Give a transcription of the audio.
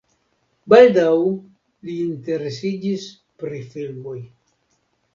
Baldaŭ li interesiĝis pri filmoj.